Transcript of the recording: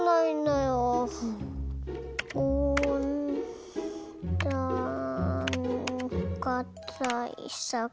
おんだんかたいさく。